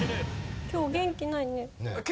今日元気ないね。